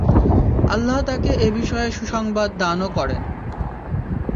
আল্লাহ তাকে এ বিষয়ে সুসংবাদ দানও করেন।